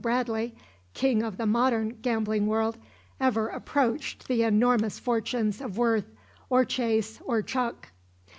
Bradley, king of the modern gambling world, ever approached the enormous fortunes of Worth, or Chase or Chuck.